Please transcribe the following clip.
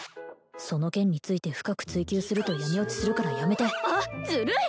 その件について深く追求すると闇堕ちするからやめてあっずるい！